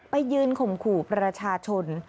ไปยืนข่มขู่ประชาชน